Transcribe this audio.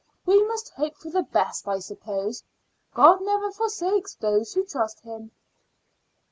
we must hope for the best, I suppose. God never forsakes those who trust Him."